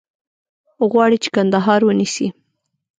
غواړي چې کندهار ونیسي.